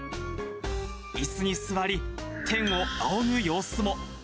いすに座り、天を仰ぐ様子も。